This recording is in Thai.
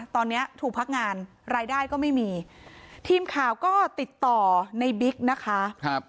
ตอนนี้ถูกพักงานรายได้ก็ไม่มีทีมข่าวก็ติดต่อในบิ๊กนะคะ